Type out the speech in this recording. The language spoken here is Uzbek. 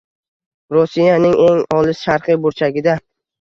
Rossiyaning eng olis sharqiy burchagida